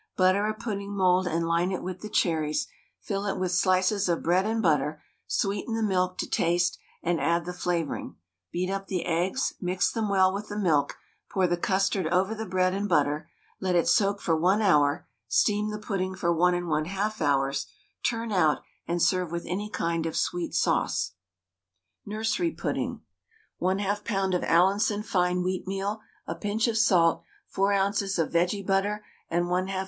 Butter a pudding mould and line it with the cherries, fill it with slices of bread and butter; sweeten the milk to taste, and add the flavouring; beat up the eggs, mix them well with the milk, pour the custard over the bread and butter, let it soak for 1 hour; steam the pudding for 1 1/2 hours, turn out, and serve with any kind of sweet sauce. NURSERY PUDDING. 1/2 lb. of Allinson fine wheatmeal, a pinch of salt, 4 oz. of vege butter, and 1/2 lb.